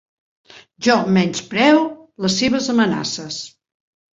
Jo menyspreo les seves amenaces.